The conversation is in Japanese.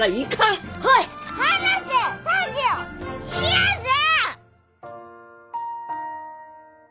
嫌じゃ！